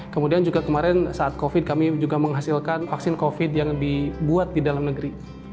kemudian juga kemarin saat covid kami juga menghasilkan vaksin covid yang dibuat di dalam negeri